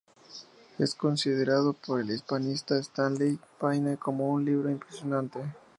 Es considerado por el hispanista Stanley G. Payne como un libro "impresionante".